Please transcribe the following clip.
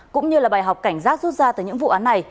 cũng như là bài học cảnh giác rút ra từ những vụ án này